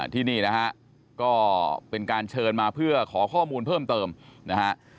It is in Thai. ที่นี่นะฮะก็เป็นการเชิญมาเพื่อขอข้อมูลเพิ่มเติมนะฮะ